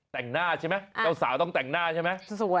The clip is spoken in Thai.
แต่งหน้าใช่ไหมเจ้าสาวต้องแต่งหน้าใช่ไหม